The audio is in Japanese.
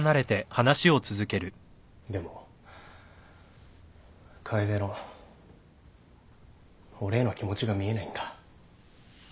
でも楓の俺への気持ちが見えないんだ。